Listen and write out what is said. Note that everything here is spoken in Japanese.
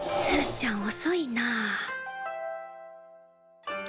すーちゃんおそいなあ。